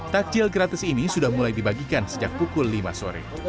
takjil gratis ini sudah mulai dibagikan sejak pukul lima sore